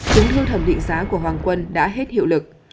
chứng thư thẩm định giá của hoàng quân đã hết hiệu lực